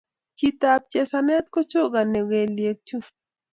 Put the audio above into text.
cheet ap chesanet kochokanee keliek chuu